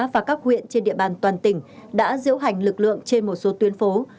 và các huyện trên địa bàn toàn tỉnh đã diễu hành lực lượng trên một số tuyến phố